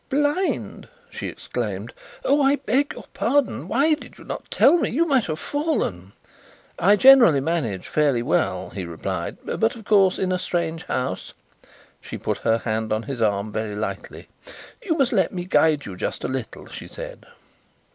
"Blind!" she exclaimed, "oh, I beg your pardon. Why did you not tell me? You might have fallen." "I generally manage fairly well," he replied. "But, of course, in a strange house " She put her hand on his arm very lightly. "You must let me guide you, just a little," she said.